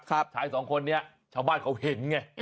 ชายสองคนนี้ชาวบ้านเขาเห็นไง